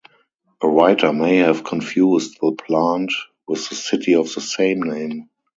A writer may have confused the plant with the city of the same name.